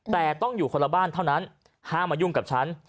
แต่ต้องอยู่คนละบ้านเท่านั้นห้ามมายุ่งกับฉัน